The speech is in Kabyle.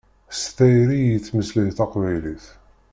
S tayri i yettmeslay taqbaylit.